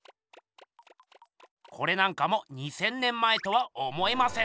これなんかも２，０００年前とは思えません。